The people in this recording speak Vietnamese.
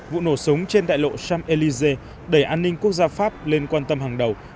vụ nổ súng trên đại lộ champs élysées đẩy an ninh quốc gia pháp lên quan tâm hàng đầu